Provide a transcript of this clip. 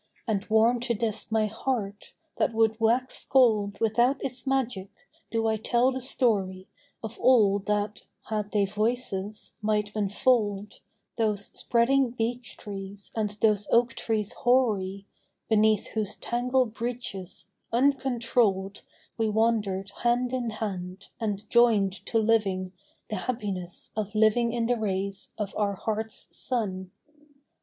And warm to this my heart, that would wax cold Without its magic, do I tell the story Of all that (had they voices) might unfold Those spreading beech trees and those oak trees hoary, Beneath whose tangled branches, uncontrolled " The L ight of Other Days!' 1 25 We wandered hand in hand, and joined to living The happiness of living in the rays Of our hearts' sun.